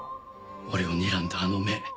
俺をにらんだあの目。